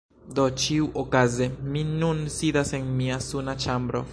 Do ĉiuokaze mi nun sidas en mia suna ĉambro.